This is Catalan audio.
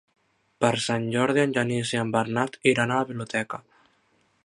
Per Sant Jordi en Genís i en Bernat iran a la biblioteca.